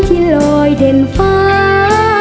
ที่ลอยเด่นฟ้า